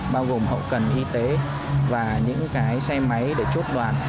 bao gồm hậu cần y tế và những cái xe máy để chốt đoàn